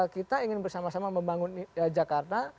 kita ingin bersama sama membangun jakarta